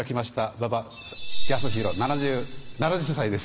馬場康博７０歳です